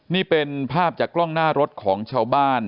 นี่เป็นภาพจากกล้องหน้ารถของชาวบ้าน